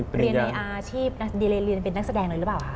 เรียนในอาชีพดีเลเรียนเป็นนักแสดงเลยหรือเปล่าคะ